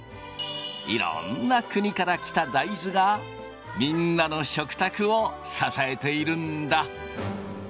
いろんな国から来た大豆がみんなの食卓を支えているんだ。